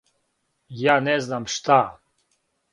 Ја не знам шта.